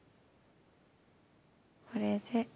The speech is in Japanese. これで。